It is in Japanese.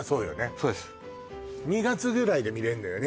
そうです２月ぐらいで見れんのよね